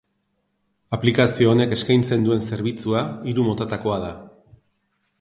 Aplikazio honek eskaintzen duen zerbitzua hiru motatakoa da.